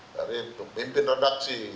dari pemimpin redaksi